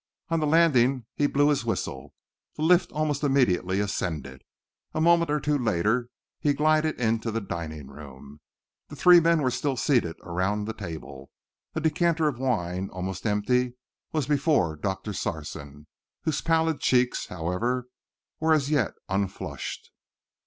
On the landing he blew his whistle; the lift almost immediately ascended. A moment or two later he glided into the dining room. The three men were still seated around the table. A decanter of wine, almost empty, was before Doctor Sarson, whose pallid cheeks, however, were as yet unflushed.